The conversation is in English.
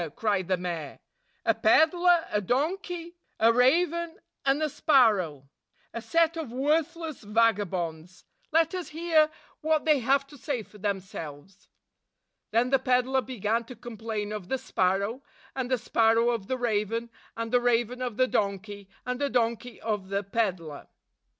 cried the mayor. "A peddler, a donkey, a raven, and a sparrow, — a set of worthless vagabonds! Let us hear what they have to say for themselves." Then the peddler began to complain of the sparrow, and the sparrow of the raven, and the raven of the donkey, and the donkey of the peddler.